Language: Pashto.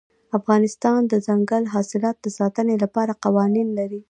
افغانستان د دځنګل حاصلات د ساتنې لپاره قوانین لري.